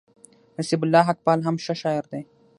نصيب الله حقپال هم ښه شاعر دئ.